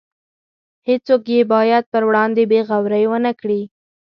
هیڅوک یې باید پر وړاندې بې غورۍ ونکړي.